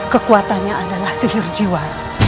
kekuatannya adalah sihir jiwa